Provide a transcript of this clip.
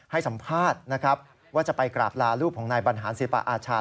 ให้สัมภาษณ์นะครับว่าจะไปกราบลารูปของนายบรรหารศิลปะอาชา